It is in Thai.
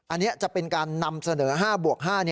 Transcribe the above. อันนี้จะเป็นการนำเสนอ๕บวก๕